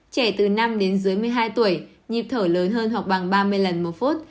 trẻ từ năm đến dưới một mươi hai tuổi nhịp thở lớn hơn học bằng ba mươi lần một phút